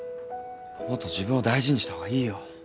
もっと自分を大事にした方がいいよ。